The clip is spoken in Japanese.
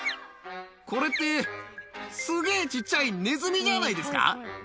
これって、すげーちっちゃいネズミじゃないですか。